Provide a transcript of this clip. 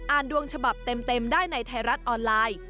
อ่านดวงฉบับเต็มได้ในไทรัศน์ออนไลน์